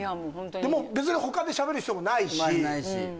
別に、他でしゃべる必要もないし。